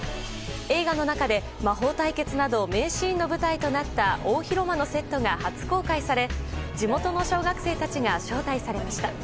映画の中で魔法対決など名シーンの舞台となった大広間のセットが初公開され地元の小学生たちが招待されました。